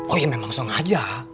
oh iya memang sengaja